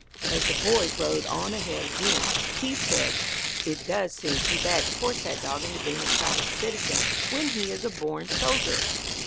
As the boys rode on ahead again, Keith said, "It does seem too bad to force that dog into being a private citizen when he is a born soldier."